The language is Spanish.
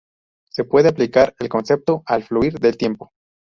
Se puede aplicar el concepto al fluir del tiempo.